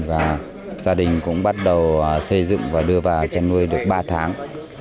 và gia đình cũng bắt đầu xây dựng và đưa vào chăn nuôi được ba tháng